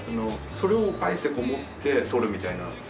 それをあえて持って撮るみたいな感じが。